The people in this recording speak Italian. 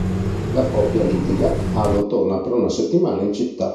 La coppia litiga, Aldo torna per una settimana in città.